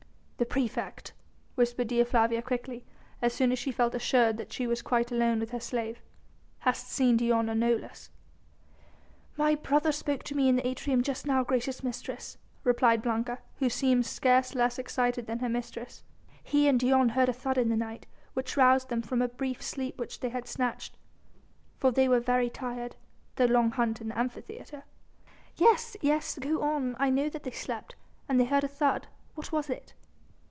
"The praefect?" whispered Dea Flavia quickly, as soon as she felt assured that she was quite alone with her slave. "Hast seen Dion or Nolus?" "My brother spoke to me in the atrium just now, gracious mistress," replied Blanca, who seemed scarce less excited than her mistress, "he and Dion heard a thud in the night, which roused them from a brief sleep which they had snatched, for they were very tired ... their long hunt in the Amphitheatre...." "Yes! yes! go on! I know that they slept ... and they heard a thud ... what was it?"